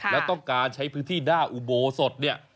แล้วต้องการใช้พื้นที่หน้าอุโบสถเนี่ย